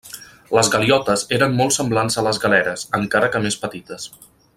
Les galiotes eren molt semblants a les galeres, encara que més petites.